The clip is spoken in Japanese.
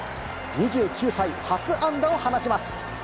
２９歳初安打を放ちます。